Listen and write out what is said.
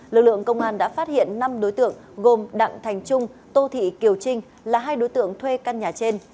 lực lượng công an đã phát hiện năm đối tượng gồm đặng thành trung tô thị kiều trinh là hai đối tượng thuê căn nhà trên